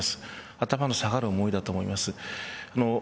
頭の下がる思いだと思います。